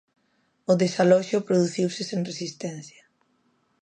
O desaloxo produciuse sen resistencia.